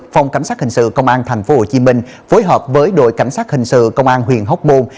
phòng cảnh sát hình sự công an tp hcm phối hợp với đội cảnh sát hình sự công an huyện hóc môn